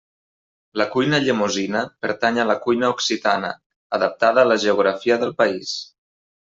La cuina llemosina pertany a la cuina occitana, adaptada a la geografia del país.